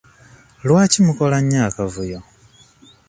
Lwaki mukola nnyo akavuyo?